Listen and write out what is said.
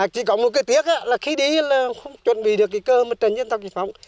chỉ có một cái tiếc là khi đi là không chuẩn bị được cái cơ một trần nhân tộc chiến phóng